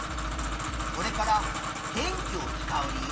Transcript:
これから電気を使う理由